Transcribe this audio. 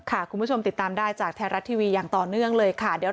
คุณผู้ชมติดตามได้จากไทยรัฐทีวีอย่างต่อเนื่องเลยค่ะ